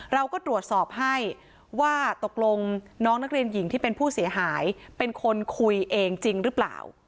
เราก็ตรวจสอบให้ว่าตกลงน้องนักเรียนหญิงที่เป็นผู้เสียหายเป็นคนคุยเองจริงหรือเปล่า